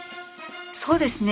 そうですね。